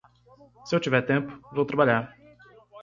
Se eu tiver tempo, vou trabalhar.